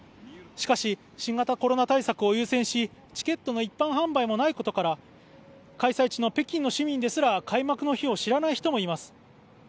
しかし、新型コロナ対策を優先しチケットの一般販売もないことから開催地の北京の市民ですら開幕の日を知らない人もいます。